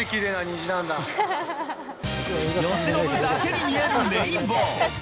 由伸だけに見えるレインボー。